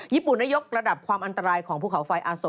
ญี่ปุ่นได้ยกระดับความอันตรายของภูเขาไฟอาโส